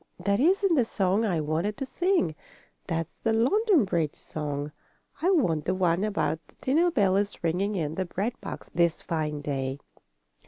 "That isn't the song I wanted to sing. That's the London Bridge song. I want the one about the dinner bell is ringing in the bread box this fine day.